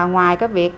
ngoài cái việc